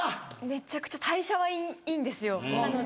めちゃくちゃ代謝はいいんですよなので。